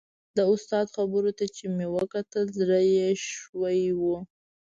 د استاد خبرو ته چې مې وکتل زړه یې شوی و.